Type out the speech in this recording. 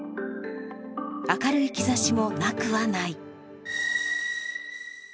明るい兆しもなくはない。